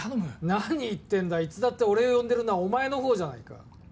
何言ってるんだ、いつだって俺を呼んでいるのはお前の方だ。